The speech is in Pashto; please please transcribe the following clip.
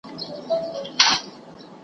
په خپل ژوند یې دومره شته نه وه لیدلي .